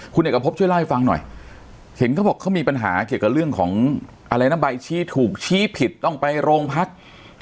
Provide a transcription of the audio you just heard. คุณเอกพบช่วยเล่าให้ฟังหน่อยเห็นเขาบอกเขามีปัญหาเกี่ยวกับเรื่องของอะไรนะใบชี้ถูกชี้ผิดต้องไปโรงพัก